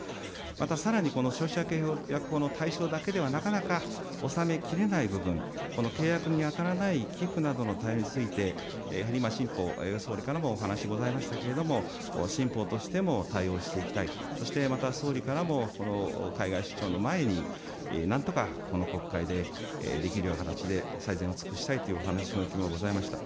またこの消費者対策法の対象だけではなかなかおさめきれない部分、契約に当たらない寄付などへの対応について、やはり今、新法、総理からもお話ございましたけれども、新法としても対応していきたい、そしてまた、総理からもこの海外出張の前に、なんとかこの国会でできるような形で最善を尽くしたいというお話もございました。